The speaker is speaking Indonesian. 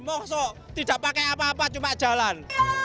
mongsok tidak pakai apa apa cuma jalan